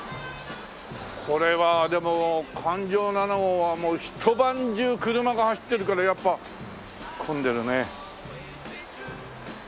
これはでも環状七号はもうひと晩中車が走ってるからやっぱ混んでるね。